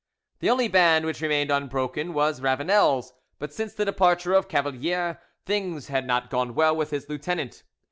The only band which remained unbroken was Ravanel's, but since the departure of Cavalier things had not gone well with his lieutenant.